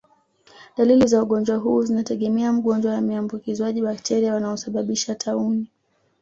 Dalili za ugonjwa huu zinategemea mgonjwa ameambukizwaje bakteria wanaosababisha tauni